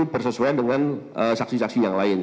bersesuaian dengan saksi saksi yang lain